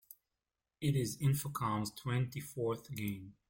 It is Infocom's twenty-fourth game.